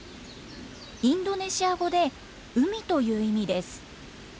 インドネシア語で「海」という意味です。